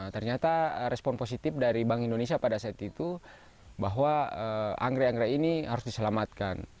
ternyata respon positif dari bank indonesia pada saat itu bahwa anggrek anggrek ini harus diselamatkan